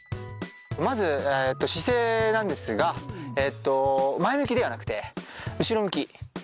まず姿勢なんですが前向きではなくて後ろ向き。